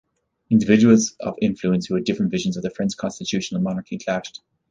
Individuals of influence who had different visions of the French constitutional monarchy clashed.